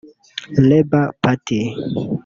"Labour Party"